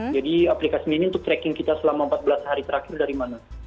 jadi aplikasinya ini untuk tracking kita selama empat belas hari terakhir dari mana